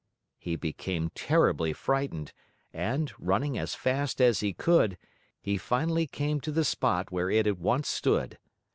He became terribly frightened and, running as fast as he could, he finally came to the spot where it had once stood.